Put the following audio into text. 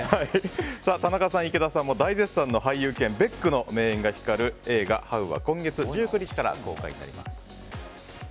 田中さん、池田さんも大絶賛の俳優犬ベックの名演が光る映画「ハウ」は今月１９日から公開です。